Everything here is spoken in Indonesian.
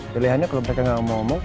pilihannya kalo mereka gak mau mau